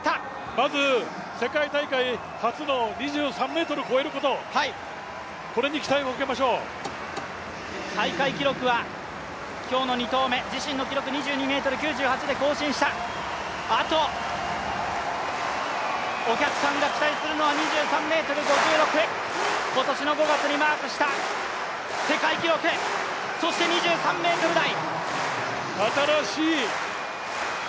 まず世界大会初の２３ｍを越えること、これに期待をかけましょう大会記録は今日の２投目、自身の記録２２ｍ９８で更新した、あとお客さんが期待するのは２３ｍ５６、今年の５月にマークした世界記録、そして２３ｍ台。